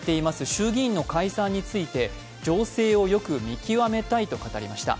衆議院の解散について情勢をよく見極めたいと語りました。